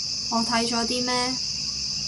我睇咗啲咩